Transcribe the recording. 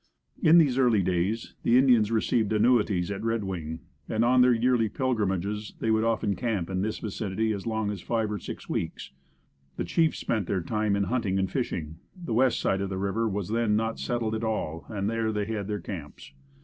In these early days the Indians received annuities at Red Wing and on their yearly pilgrimages they would often camp in this vicinity as long as five or six weeks. The chiefs spent their time in hunting and fishing. The west side of the river was then not settled at all and there they had their camps.